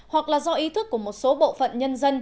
hoặc là do ý thức của một số bộ phận nạn nhân trong lòng đất